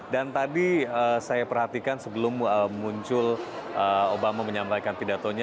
dan tadi saya perhatikan sebelum muncul obama menyampaikan pidatonya